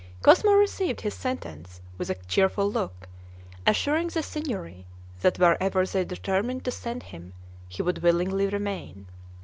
Cosmo received his sentence with a cheerful look, assuring the Signory that wherever they determined to send him, he would willingly remain.